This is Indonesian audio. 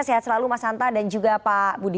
sehat selalu mas hanta dan juga pak budi